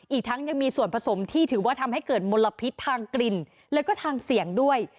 อีกทั้งยังมีส่วนผสมที่ถือว่าทำให้เกิดมลพิษทางกลิ่นแล้วก็ทางเสี่ยงด้วย